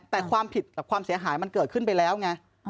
แต่ความผิดกับความเสียหายมันเกิดขึ้นไปแล้วไง